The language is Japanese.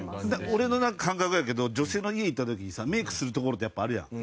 俺の感覚やけど女性の家に行った時にさメイクする所ってやっぱあるやん。